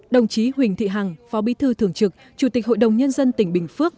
đồng chí huỳnh thị hằng phó bí thư thường trực chủ tịch hội đồng nhân dân tỉnh bình phước